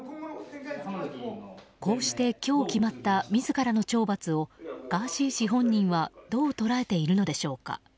こうして今日決まった自らの懲罰をガーシー氏本人はどう捉えているのでしょうか。